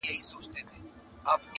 نه یې خدای او نه یې خلګو ته مخ تور سي.